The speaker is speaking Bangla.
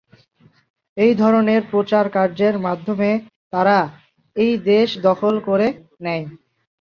এই ধরনের প্রচারকার্যের মাধ্যমে তারা এই দেশ দখল করে নেয়।